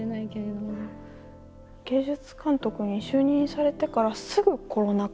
芸術監督に就任されてからすぐコロナ禍。